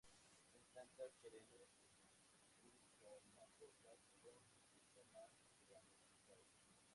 Son plantas perennes, rizomatosas, con rizoma ramificado.